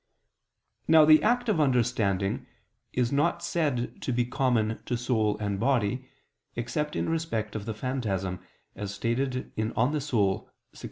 Now the act of understanding is not said to be common to soul and body, except in respect of the phantasm, as is stated in De Anima, text.